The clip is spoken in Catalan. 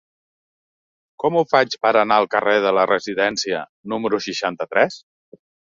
Com ho faig per anar al carrer de la Residència número seixanta-tres?